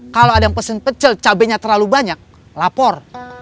kalau ada yang pesen pecel cabainya terlalu banyak lapor